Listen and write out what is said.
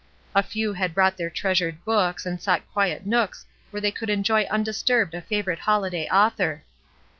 A few had brought their treasured books and sought quiet nooks where they could enjoy undisturbed a favorite holiday author.